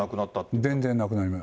全然なくなりました。